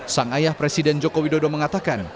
sang ayah presiden joko widodo mengatakan